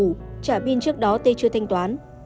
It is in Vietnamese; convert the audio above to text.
trả pin trước đó t chưa thanh toán